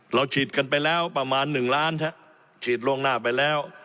ฉีดกันไปแล้วประมาณ๑ล้านฉีดล่วงหน้าไปแล้ว